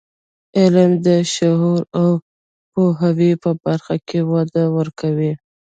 علم د شعور او پوهاوي په برخه کې وده ورکوي.